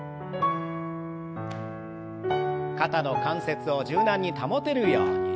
肩の関節を柔軟に保てるように。